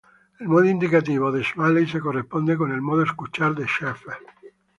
El modo indicativo de Smalley se corresponde con el modo "escuchar" de Schaeffer.